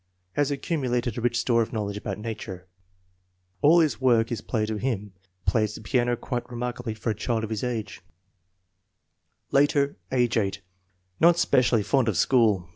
Has accum ulated a rich store of knowledge about nature. All 238 INTELLIGENCE OF SCHOOL CHILDREN his work is play to him. Plays the piano quite re markably for a child of his age. Later, age 8. Not specially fond of school.